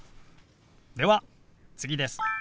では次です。